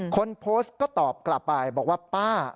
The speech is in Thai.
คนโพสต์ก็ตอบกลับไปบอกว่าป้า